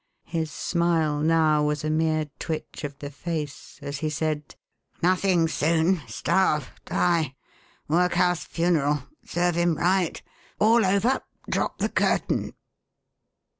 His smile now was a mere twitch of the face as he said: "Nothing soon starve die workhouse funeral serve him right all over drop the curtain!"